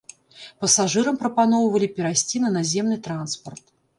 Пасажырам прапаноўвалі перайсці на наземны транспарт.